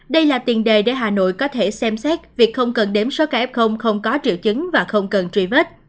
đây là tiền đề để hà nội có thể xem xét việc không cần đếm số ca f không có triệu chứng và không cần truy vết